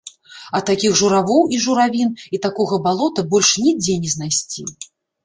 А такіх журавоў і журавін і такога балота больш нідзе не знайсці!